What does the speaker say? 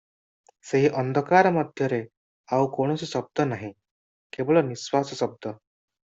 ସେହି ଅନ୍ଧକାର ମଧ୍ୟରେ ଆଉ କୌଣସି ଶବ୍ଦ ନାହିଁ, କେବଳ ନିଶ୍ୱାସ ଶବ୍ଦ।